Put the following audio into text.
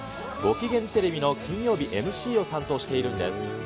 きげんテレビの金曜日ＭＣを担当しているんです。